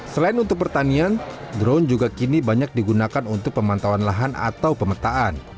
selain untuk pertanian drone juga kini banyak digunakan untuk pemantauan lahan atau pemetaan